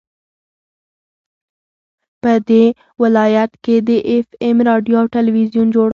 په دې ولايت كې د اېف اېم راډيو او ټېلوېزون جوړ